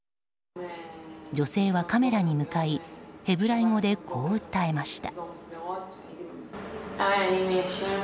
女性はカメラに向かいヘブライ語でこう訴えました。